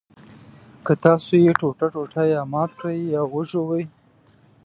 که تاسو یې ټوټه ټوټه یا مات کړئ یا وژوئ.